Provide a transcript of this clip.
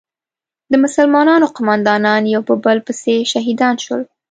د مسلمانانو قومندانان یو په بل پسې شهیدان شول.